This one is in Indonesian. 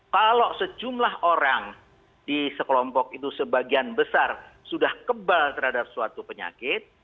kalau sejumlah orang di sekelompok itu sebagian besar sudah kebal terhadap suatu penyakit